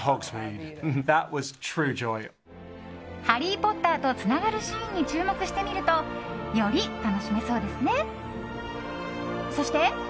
「ハリー・ポッター」とつながるシーンに注目してみるとより楽しめそうですね。